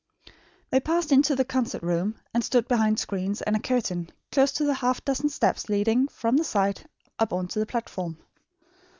They passed into the concert room and stood behind screens and a curtain, close to the half dozen steps leading, from the side, up on to the platform.